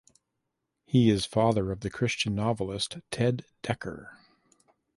He is father of the Christian novelist Ted Dekker.